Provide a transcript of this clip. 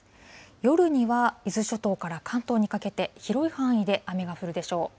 夜には伊豆諸島から関東にかけて、広い範囲で雨が降るでしょう。